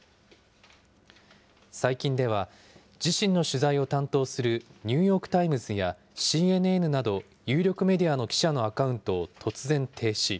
最近では自身の取材を担当するニューヨーク・タイムズやＣＮＮなど、有力メディアの記者のアカウントを突然停止。